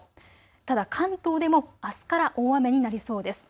ただ関東でも、あすから大雨になりそうです。